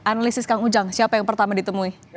analisis kang ujang siapa yang pertama ditemui